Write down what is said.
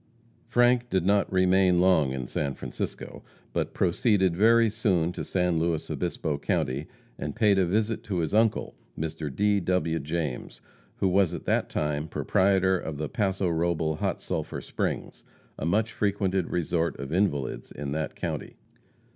Frank did not remain long in San Francisco, but proceeded very soon to San Luis Obispo county, and paid a visit to his uncle, Mr. D. W. James, who was at that time proprietor of the Paso Robel Hot Sulphur Springs, a much frequented resort of invalids in that county.